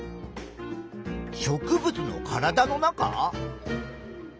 植物の体の中？